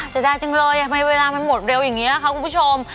เสียดายจังเลยทำไมเวลามันหมดเร็วอย่างนี้ค่ะคุณผู้ชม